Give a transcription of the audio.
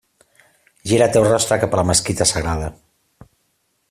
Gira el teu rostre cap a la Mesquita Sagrada.